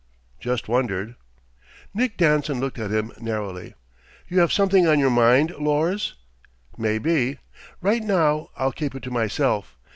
"Just wondered." Nick Danson looked at him narrowly. "You have something on your mind, Lors?" "Maybe. Right now, I'll keep it to myself.